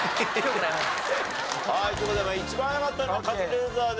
という事で一番早かったのはカズレーザーで。